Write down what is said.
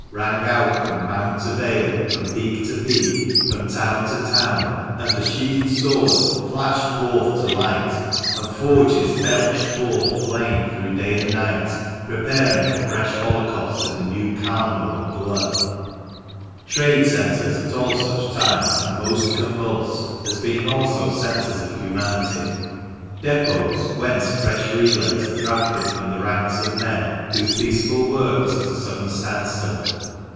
rang out from mount to vale, from peak to peak, from town to town, and the sheathed sword flashed forth to light, and forges belched forth flame through day and night, preparing for fresh holocausts in the new carnival of blood ! SHAW'S SHOP, MARKET STREET. THE MANCHESTER MAN 143 Trade centres at all such times are most convulsed, as being also centres of humanity — depots whence fresh relays are drafted from the ranks of men whose peaceful work is at a sudden standstill.